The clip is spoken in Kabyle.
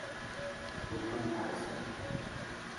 Ufan-d Ḥasan.